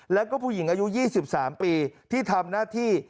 แล้วก็ผู้หญิงอายุ๒๓ปีที่ทำหน้าที่